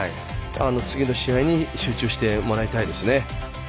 次の試合に集中してもらいたいですね。